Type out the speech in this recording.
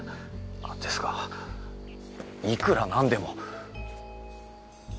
あっですがいくらなんでも。